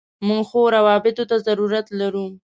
موږ ښو راوبطو ته ضرورت لرو.